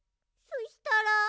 そしたら。